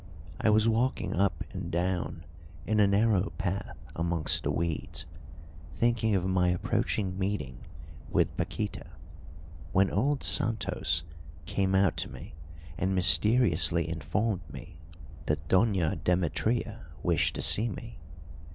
I was walking up and down in a narrow path amongst the weeds, thinking of my approaching meeting with Paquíta, when old Santos came out to me and mysteriously informed me that Doña Demetria wished to see me.